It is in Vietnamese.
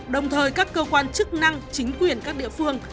đồng thời các cơ quan chức năng chính quyền các địa phương